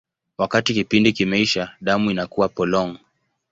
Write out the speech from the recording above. Wakati kipindi kimeisha, damu inakuwa polong.